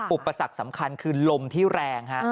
อุปสรรคสำคัญคือลมที่แรงฮะ